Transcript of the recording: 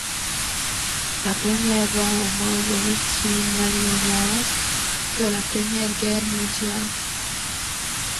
La premier rend hommage aux victimes nalinnoises de la Première Guerre mondiale.